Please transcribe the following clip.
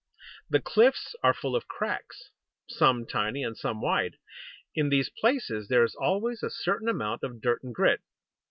The cliffs are full of cracks, some tiny and some wide. In these places there is always a certain amount of dirt and grit.